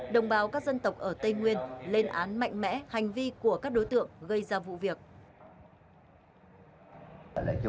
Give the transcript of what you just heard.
đồng bào các dân tộc ở tây nguyên lên án mạnh mẽ hành vi của các đối tượng gây ra vụ việc